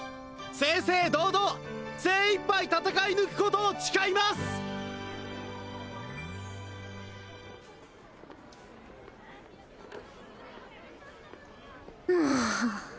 正々堂々精いっぱい戦い抜くことを誓いますはあ